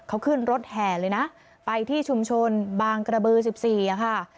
เขาขึ้นรถแห่เลยนะไปที่ชุมชนบางกระบือ๑๔ค่ะ